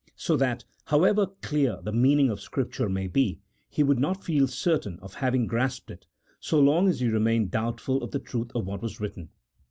So that, however clear the meaning of Scripture may be, he would not feel certain of having grasped it, so long as he remained doubtful of the truth of what was written.